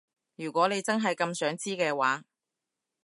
如果你真係咁想知嘅話